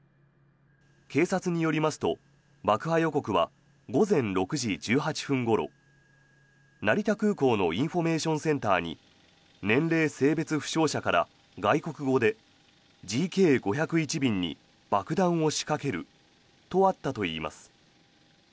警察によりますと爆破予告は午前６時１８分ごろ成田空港のインフォメーションセンターに年齢・性別不詳者から外国語でＧＫ５０１便に爆弾を仕掛けるとあったといいます。